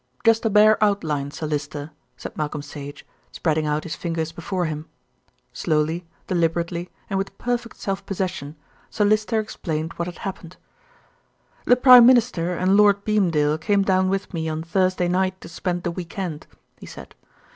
"Just a bare outline, Sir Lyster," said Malcolm Sage, spreading out his fingers before him. Slowly, deliberately, and with perfect self possession, Sir Lyster explained what had happened. "The Prime Minister and Lord Beamdale came down with me on Thursday night to spend the weekend," he said.